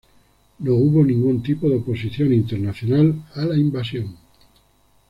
No hubo ningún tipo de oposición internacional a la invasión.